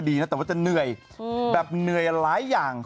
พี่หนุ่มก็รู้จัก